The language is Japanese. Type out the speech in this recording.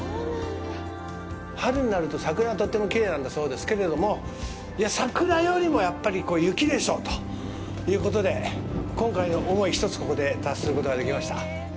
春になると、桜がとってもきれいなんだそうですけれどもいや、桜よりも、やっぱり雪でしょうということで今回の思い、一つここで達することができました。